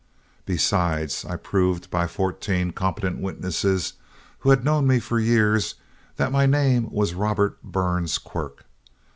Besides, I proved by fourteen competent witnesses, who had known me for years, that my name was Robert Burns Quirk.